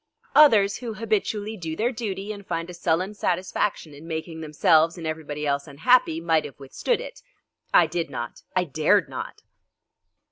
Others who habitually do their duty and find a sullen satisfaction in making themselves and everybody else unhappy, might have withstood it. I did not. I dared not.